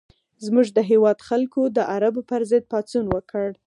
زموږ د هېواد خلکو د عربو پر ضد پاڅون وکړ.